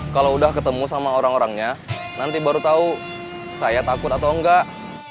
kalau udah ketemu sama orang orangnya nanti baru tahu saya takut atau enggak